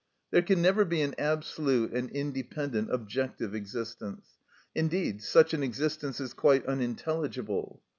There can never be an absolute and independent objective existence; indeed such an existence is quite unintelligible.